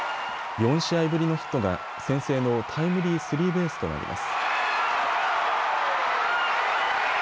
４試合ぶりのヒットが先制のタイムリースリーベースとなります。